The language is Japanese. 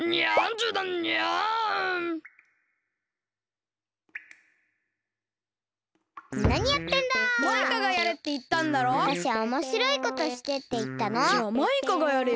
じゃあマイカがやれよ。